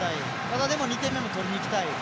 ただ、でも２点目も取りにいきたい。